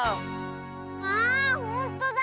あほんとだ！